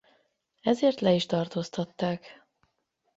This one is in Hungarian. Ezért le is tartóztatták.